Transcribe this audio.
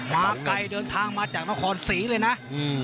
มาไกลเดินทางมาจากน้องคอนสีเลยน่ะอืม